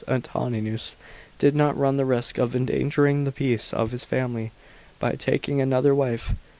Antoninus did not run the risk of endangering the peace of his family by taking another wife.